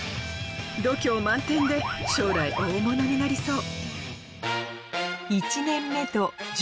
度胸満点で将来大物になりそう。